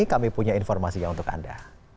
kami punya informasinya untuk anda